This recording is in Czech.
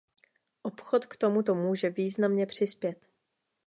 Obchod k tomu může významně přispět.